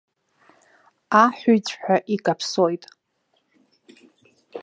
Аҳәиҵәҳәа икаԥсоит.